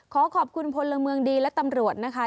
ขอขอบคุณพลเมืองดีและตำรวจนะคะ